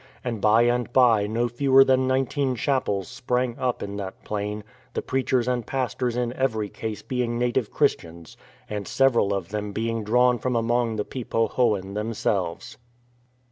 And by and by no fewer than nineteen chapels sprang up in that plain, the preachers and pastors in every case being native Christians, and several of them being drawn from among the Pe po hoan themselves.